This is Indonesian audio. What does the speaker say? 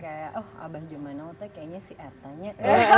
kayak oh abah gimana ototnya kayaknya si atanya